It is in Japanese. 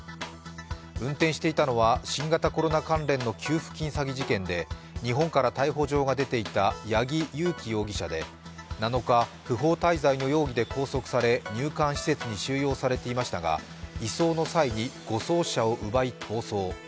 運転していたのは新型コロナウイルス関連の給付金詐欺事件で日本から逮捕状が出ていた八木佑樹容疑者で、７日、不法滞在の容疑で拘束され入管施設に収容されていましたが、移送の際に護送車を奪い、逃走。